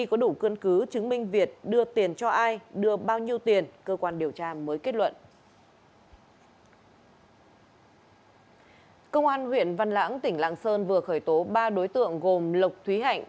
công an huyện văn lãng tỉnh lạng sơn vừa khởi tố ba đối tượng gồm lộc thúy hạnh